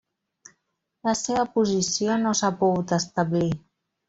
La seva posició no s'ha pogut establir.